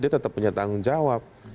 dia tetap punya tanggung jawab